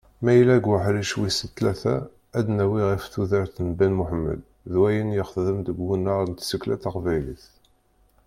Ma yella deg uḥric wis tlata, ad d-nawwi ɣef tudert n Ben Muḥemmed d wayen yexdem deg wunar n tsekla taqbaylit.